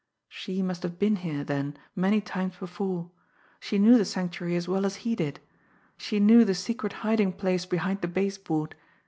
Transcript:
She must have been here, then, many times before ... she knew the Sanctuary as well as he did ... she knew the secret hiding place behind the base board